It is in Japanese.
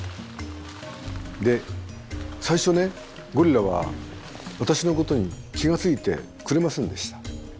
最初ねゴリラは私のことに気が付いてくれませんでした。